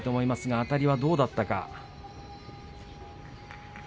あたりはどうだったか。